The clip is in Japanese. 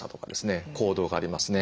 行動がありますね。